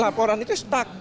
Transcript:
laporan itu stuck